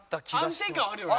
安定感あるよね。